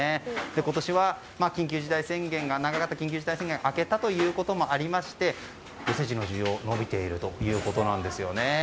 今年は長かった緊急事態宣言が明けたということもありましておせちの需要伸びているということなんですね。